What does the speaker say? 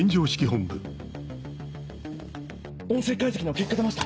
音声解析の結果出ました。